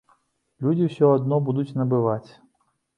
Людзі ўсё адно будуць набываць.